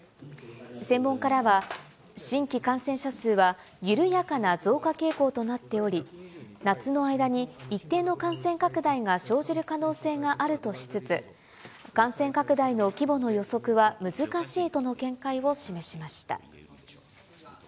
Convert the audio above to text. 専門家らは、新規感染者数は緩やかな増加傾向となっており、夏の間に一定の感染拡大が生じる可能性があるとしつつ、感染拡大の規模の予測は難しいとの見解を示しました。